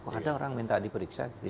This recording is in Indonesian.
kok ada orang minta diperiksa